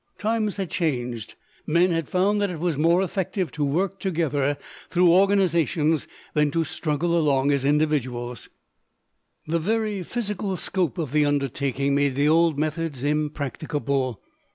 Times had changed. Men had found that it was more effective to work together through organizations than to struggle along as individuals. The very physical scope of the undertakings made the old methods impracticable.